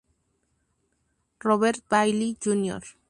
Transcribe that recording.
Robert Bailey, Jr.